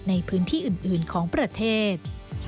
ในพื้นที่อื่นของประเทศ